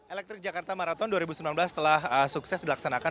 elektrik jakarta marathon dua ribu sembilan belas telah sukses dilaksanakan